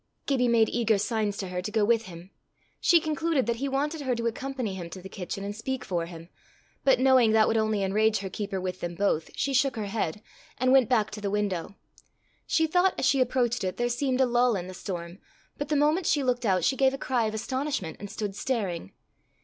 Gibbie made eager signs to her to go with him. She concluded that he wanted her to accompany him to the kitchen and speak for him; but knowing that would only enrage her keeper with them both, she shook her head, and went back to the window. She thought, as she approached it, there seemed a lull in the storm, but the moment she looked out, she gave a cry of astonishment, and stood staring.